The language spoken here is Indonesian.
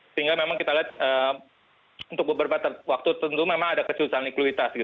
sehingga memang kita lihat untuk beberapa waktu tentu memang ada kesusahan likuiditas